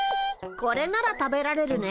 これなら食べられるね。